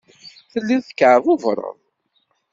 Telliḍ tekkeɛbubreḍ.